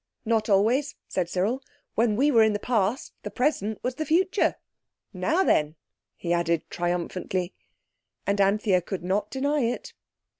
"Not always," said Cyril. "When we were in the Past the present was the future. Now then!" he added triumphantly. And Anthea could not deny it.